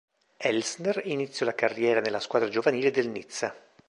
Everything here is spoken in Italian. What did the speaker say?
Elsner iniziò la carriera nella squadra giovanile del Nizza.